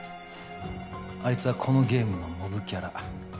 あいつはこのゲームのモブキャラ。